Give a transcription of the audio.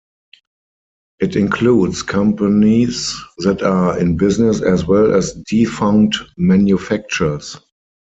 It includes companies that are in business as well as defunct manufacturers.